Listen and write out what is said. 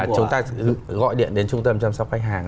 chúng ta gọi điện đến trung tâm chăm sóc khách hàng